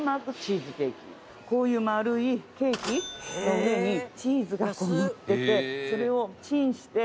こういう丸いケーキの上にチーズがのっててそれをチンして。